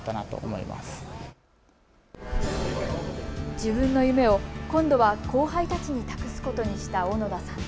自分の夢を今度は後輩たちに託すことにした小野田さん。